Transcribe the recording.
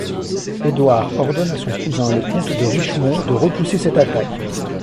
Édouard ordonne à son cousin le comte de Richmond de repousser cette attaque.